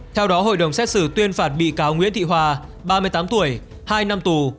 theo đó hội đồng xét xử tuyên phạt bị cáo nguyễn thị hòa ba mươi tám tuổi hai năm tù